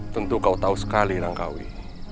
tentu kau tahu sekali rangkai